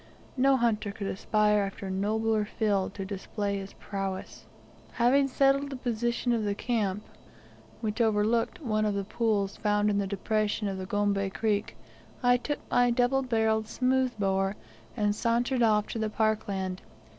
No hunter could aspire after a nobler field to display his prowess. Having settled the position of the camp, which overlooked one of the pools found in the depression of the Gombe creek, I took my double barrelled smooth bore, and sauntered off to the park land.